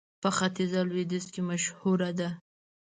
په ختيځ او لوېديځ کې مشهوره ده.